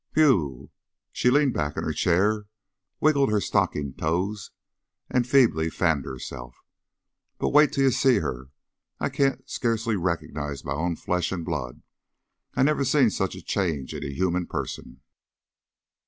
"Whew!" She leaned back in her chair, wiggled her stockinged toes, and feebly fanned herself. "But wait till you see her. I can't scarcely reco'nize my own flesh an' blood. I never seen such a change in a human person."